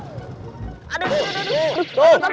aduh aduh aduh